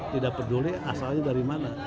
tidak peduli asalnya dari mana